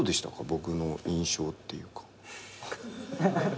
僕の印象っていうか。